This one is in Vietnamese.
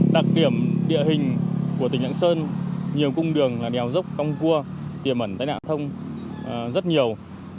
đặc điểm địa hình của tỉnh lạng sơn nhiều cung đường là đèo dốc cong cua tiềm ẩn tai nạn thông rất nhiều